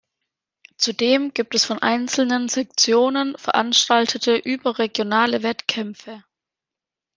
Zudem gibt es von einzelnen Sektionen veranstaltete überregionale Wettkämpfe.